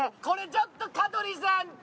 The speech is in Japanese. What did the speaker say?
これちょっと香取さん